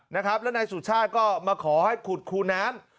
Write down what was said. นะครับแล้วนายสุชาติก็มาขอให้ขุดคูน้ำ